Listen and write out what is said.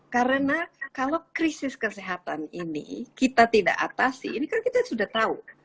karena kalau krisis kesehatan ini kita tidak atasi ini kan kita sudah tahu